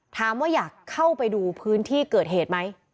ถามว่าอยากเข้าไปดูพื้นที่เกิดเหตุไหม